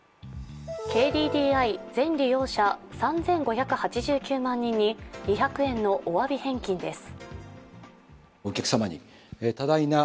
全利用者３５８９万人に２００円のお詫び返金です。